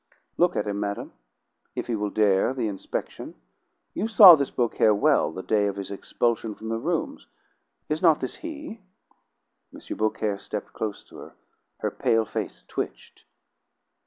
Look at him, madam, if he will dare the inspection. You saw this Beaucaire well, the day of his expulsion from the rooms. Is not this he?" M. Beaucaire stepped close to her. Her pale face twitched.